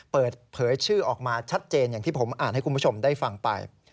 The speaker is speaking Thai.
เปิดเผยชื่อออกมาชัดเจนอย่างที่ผมอ่านให้คุณผู้ชมได้ฟังไป